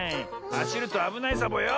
はしるとあぶないサボよ。